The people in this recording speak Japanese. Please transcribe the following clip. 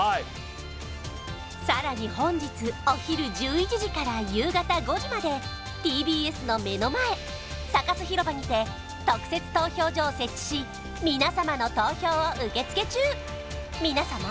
さらに本日お昼１１時から夕方５時までＴＢＳの目の前Ｓａｃａｓ広場にて特設投票所を設置しみなさまの投票を受付中みなさま